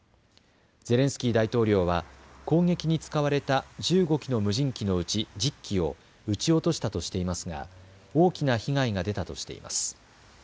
ゼレンスキー大統領は攻撃に使われた１５機の無人機のうち１０機を撃ち落としたとしていますが大きな被害が出たとしています。